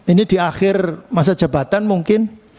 ini di akhir masa jabatan mungkin